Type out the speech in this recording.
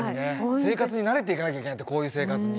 生活に慣れていかなきゃいけないってこういう生活に。